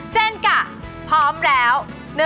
เจนกะพร้อมแล้ว